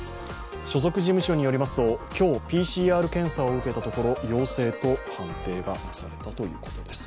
所属事務所によりますと今日、ＰＣＲ検査を受けたところ陽性と判定がなされたということです。